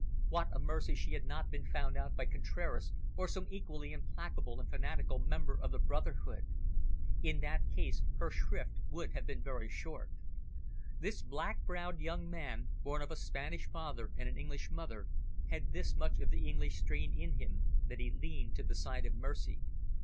What a mercy she had not been found out by Contraras, or some equally implacable and fanatical member of the brotherhood! In that case, her shrift would have been very short. This black browed young man, born of a Spanish father and an English mother, had this much of the English strain in him, that he leaned to the side of mercy.